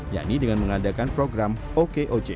yakni dengan mengadakan program okoc